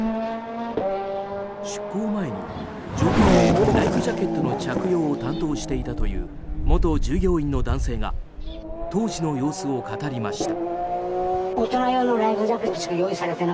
出港前に乗客へライフジャケットの着用を担当していたという元従業員の男性が当時の様子を語りました。